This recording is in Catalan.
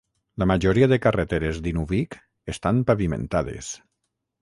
La majoria de carreteres d'Inuvik estan pavimentades.